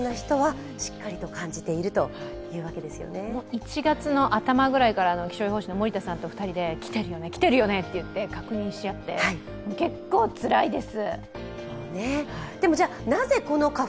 １月頭ぐらいから気象予報士の森田さんと２人で来てるよね、来てるよね！と確認し合って、結構つらいです。